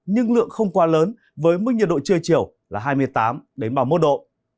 nhưng lượng không quá lớn với mức nhiệt độ trưa chiều là hai mươi tám ba mươi một độ